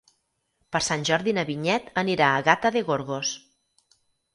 Per Sant Jordi na Vinyet anirà a Gata de Gorgos.